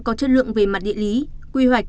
có chất lượng về mặt địa lý quy hoạch